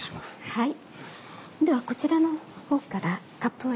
はい。